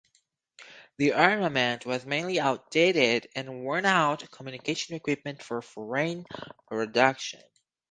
The armament was mainly outdated and worn–out communication equipment of foreign production.